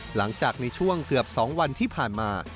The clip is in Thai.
หลังจากในช่วงเกือบ๒วันที่ผ่านมา